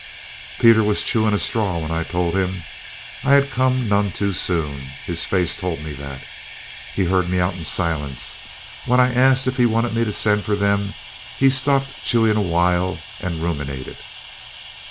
Peter was chewing a straw when I told him. I had come none too soon. His face told me that. He heard me out in silence. When I asked if he wanted me to send for them, he stopped chewing a while and ruminated.